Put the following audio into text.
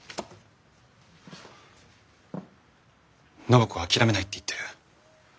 暢子は諦めないって言ってる。